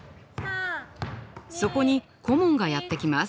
そこに顧問がやって来ます。